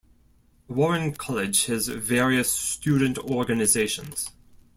Warren College has various student organizations.